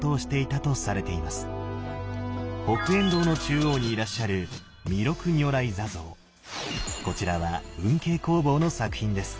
北円堂の中央にいらっしゃるこちらは運慶工房の作品です。